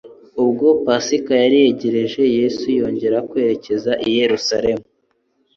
Ubwo Pasika yari yegereje, Yesu yongera kwerekeza i Yerusalemu'.